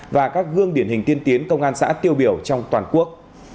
và các gương điển hình tiên tiến công an xã tiêu biểu trong toàn quốc